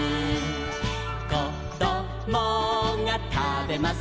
「こどもがたべます